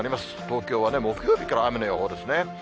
東京は木曜日から雨の予報ですね。